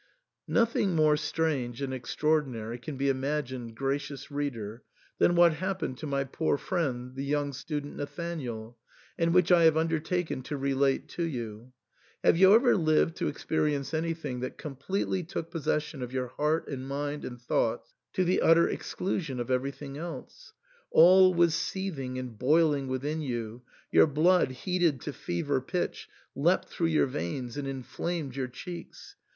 Nothing more strange and extraordinary can be im agined, gracious reader, than what happened to my poor friend, the young student Nathanael, and which I have undertaken to relate to you. Have you ever lived to experience anything that completely took possession of your heart and mind and thoughts to the utter ex clusion of everything else ? All was seething and boil ing within you ; your blood, heated to fever pitch, leapt through your veins and inflamed your cheeks.